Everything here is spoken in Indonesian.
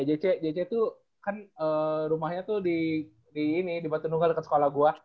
jc tuh kan rumahnya tuh di batu nunggal deket sekolah gua